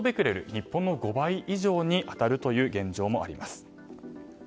日本の５倍以上に当たる現状もあります。